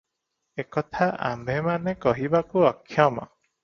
ଏକଥା ଆମ୍ଭେମାନେ କହିବାକୁ ଅକ୍ଷମ ।